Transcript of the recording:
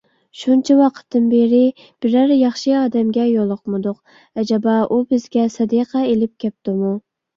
شۇنچە ۋاقىتتىن بېرى بىرەر ياخشى ئادەمگە يولۇقمىدۇق، ئەجەبا ئۇ بىزگە سەدىقە ئېلىپ كەپتۇمۇ؟